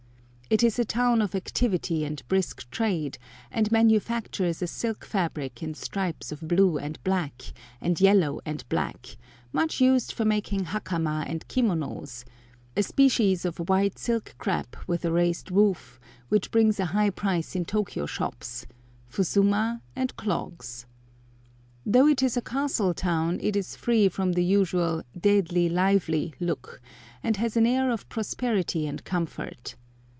It is a town of activity and brisk trade, and manufactures a silk fabric in stripes of blue and black, and yellow and black, much used for making hakama and kimonos, a species of white silk crêpe with a raised woof, which brings a high price in Tôkiyô shops, fusuma, and clogs. Though it is a castle town, it is free from the usual "deadly lively" look, and has an air of prosperity and comfort.